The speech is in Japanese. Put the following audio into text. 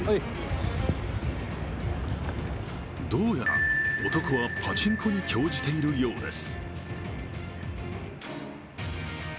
どうやら男はパチンコに興じているようです。